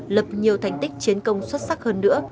lập nhiều thành tích chiến công xuất sắc hơn nữa